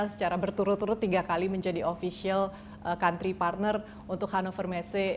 secara berturut turut tiga kali menjadi official country partner untuk hannover messe